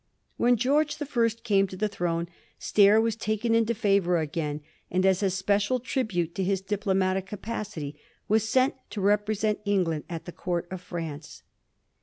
When George the First came to the throne. Stair was taken into favour again, and as a special tribute to his diplomatic capacity, was sent to represent England at the Court of France.